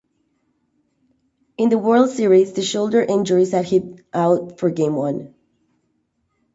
In the World Series the shoulder injury sat him out for game one.